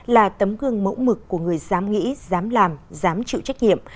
là tấm gương mẫu mực của người dám nghĩ dám làm dám chịu trách nhiệm